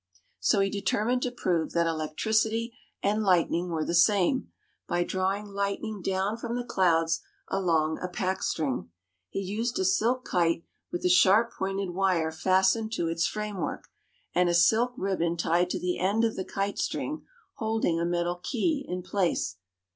So he determined to prove that electricity and lightning were the same, by drawing lightning down from the clouds along a pack string. He used a silk kite, with a sharp pointed wire fastened to its framework, and a silk ribbon tied to the end of the kite string holding a metal key in place.